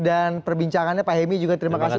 dan perbincangannya pak hemi juga terima kasih